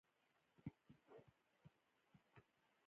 مومن خان او ریډي ګل خان دلته اوسېږي.